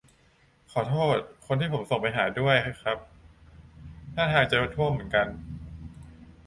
ขอโทษคนที่ผมส่งไปหาด้วยครับ ท่าทางจะท่วมเหมือนกัน